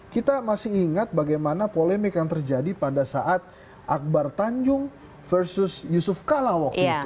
kita masih ingat bagaimana polemik yang terjadi pada saat akbar tanjung versus yusuf kala waktu itu